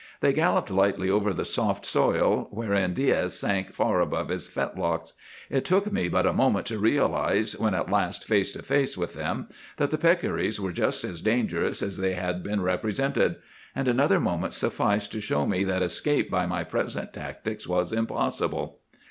They galloped lightly over the soft soil wherein Diaz sank far above his fetlocks. It took me but a moment to realize, when at last face to face with them, that the peccaries were just as dangerous as they had been represented. And another moment sufficed to show me that escape by my present tactics was impossible.